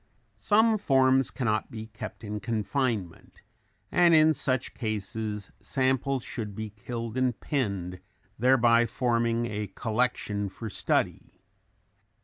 Some forms cannot be kept in confinement and in such cases samples should be killed and pinned, thereby forming a collection for study.